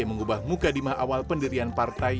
mengubah muka di mahal awal pendirian partai